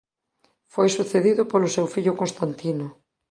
Foi sucedido polo seu fillo Constantino.